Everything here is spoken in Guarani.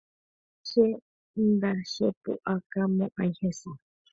Che ndachepu'akamo'ãi hese.